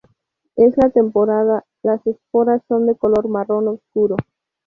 En la esporada, las esporas son de color marrón oscuro.